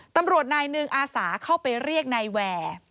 ตำรวจนายหนึ่งอาสาเข้าไปเรียกนายแวร์